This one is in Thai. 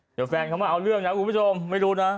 เดี๋ยวแฟนเขามาเอาเรื่องนะคุณผู้ชมไม่รู้นะ